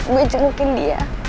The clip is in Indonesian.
gue jengukin dia